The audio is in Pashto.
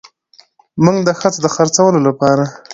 موږ د ښځو د خرڅولو لپاره